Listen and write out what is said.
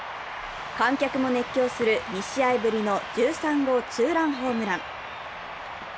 観客も熱狂する２試合ぶりの１３号ツーランホームラン。